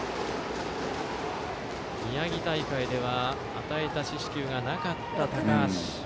宮城大会では与えた四死球がなかった高橋。